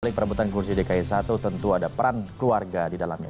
balik perebutan kursi dki satu tentu ada peran keluarga di dalamnya